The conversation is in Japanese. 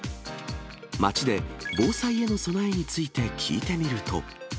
街で防災への備えについて聞いてみると。